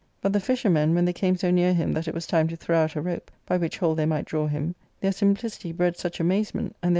But the fishermen, when they came so near him that it was time to throw out a rope, by which hold they might draw him, their simplicity bred, such amazement, and Jiheir.